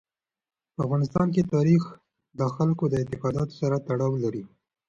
په افغانستان کې تاریخ د خلکو د اعتقاداتو سره تړاو لري.